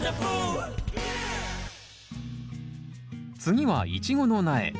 次はイチゴの苗。